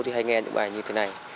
thì hay nghe những bài như thế này